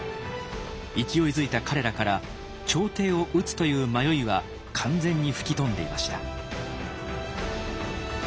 勢いづいた彼らから朝廷を討つという迷いは完全に吹き飛んでいました。